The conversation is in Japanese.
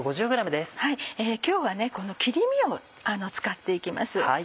今日はこの切り身を使って行きます。